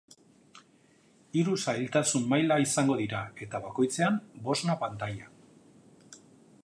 Hiru zailtasun maila izango dira eta bakoitzean bosna pantaila.